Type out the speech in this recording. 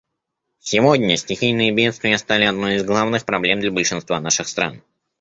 Сегодня стихийные бедствия стали одной из главных проблем для большинства наших стран.